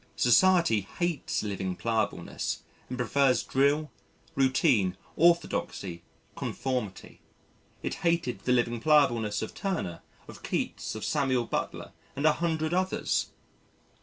Society hates living pliableness and prefers drill, routine, orthodoxy, conformity. It hated the living pliableness of Turner, of Keats, of Samuel Butler and a hundred others.